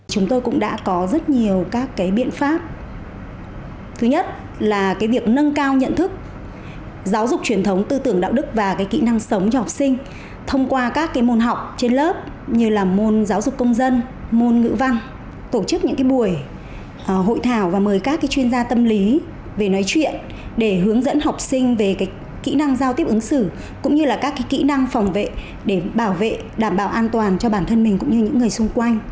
hội thảo và mời các chuyên gia tâm lý về nói chuyện để hướng dẫn học sinh về kỹ năng giao tiếp ứng xử cũng như là các kỹ năng phòng vệ để bảo vệ đảm bảo an toàn cho bản thân mình cũng như những người xung quanh